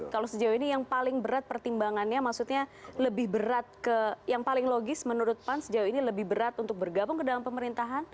kalau sejauh ini yang paling berat pertimbangannya maksudnya lebih berat ke yang paling logis menurut pan sejauh ini lebih berat untuk bergabung ke dalam pemerintahan